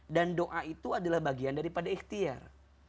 dan doa itu adalah bagian daripada ikhtiar